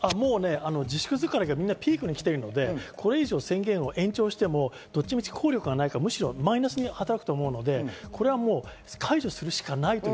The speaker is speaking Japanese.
自粛疲れがピークに来ているので、これ以上、宣言を延長しても効力がないから、むしろマイナスに働くと思うので、解除するしかない。